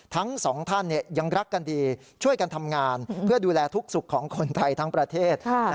ทั้งสองท่านยังรักกันดีช่วยกันทำงานเพื่อดูแลทุกสุขของคนไทยทั้งประเทศ